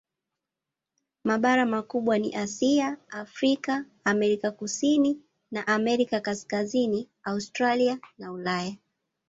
Mabara makubwa ni Asia, Afrika, Amerika Kusini na Amerika Kaskazini, Australia na Ulaya.